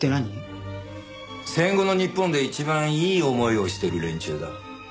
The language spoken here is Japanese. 戦後の日本で一番いい思いをしてる連中だ。